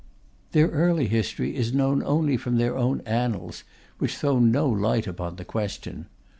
Their early history is known only from their own annals, which throw no light upon the question.